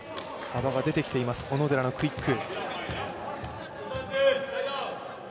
幅が出てきています、小野寺のクイック。